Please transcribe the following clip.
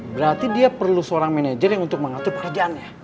berarti dia perlu seorang manajer yang untuk mengatur pekerjaannya